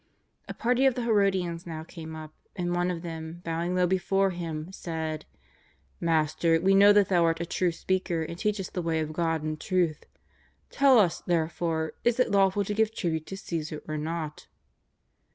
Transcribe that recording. A party of the llerodians now came up, and one of them, bowing low before Him, said :" Master, we know that Thou art a true speaker and teachest the way of God in truth. Tell us, therefore, is it lawful to give tribute to Ca?sar or not